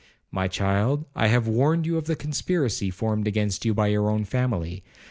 'My child, I have warned you of the conspiracy formed against you by your own family.